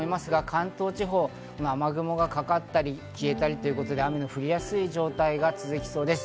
関東地方、雨雲がかかったり消えたりと雨の降りやすい状態が続きそうです。